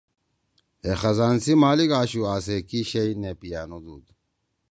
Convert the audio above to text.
ہے خزان سی مالک آشُو آسے کی شیئی نہ پیِانُودُود۔